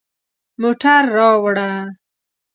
موټر راوړه